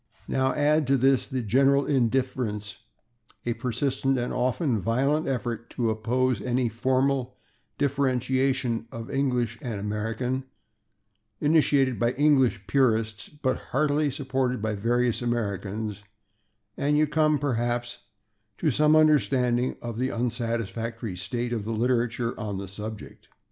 Now add to this general indifference a persistent and often violent effort to oppose any formal differentiation of English and American, initiated by English purists but heartily supported by various Americans, and you come, perhaps, to some understanding of the unsatisfactory state of the literature of the subject.